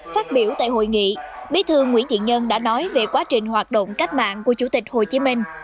phát biểu tại hội nghị bí thư nguyễn thiện nhân đã nói về quá trình hoạt động cách mạng của chủ tịch hồ chí minh